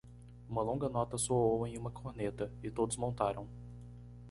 Uma longa nota soou em uma corneta? e todos montaram.